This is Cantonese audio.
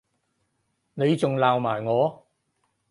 你仲鬧埋我